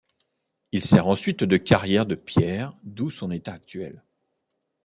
Il sert ensuite de carrière de pierre d'où son état actuel.